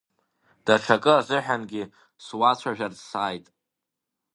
Даҽакы азыҳәангьы суацәажәарц сааит.